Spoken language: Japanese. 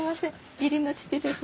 義理の父です。